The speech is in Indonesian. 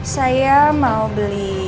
saya mau beli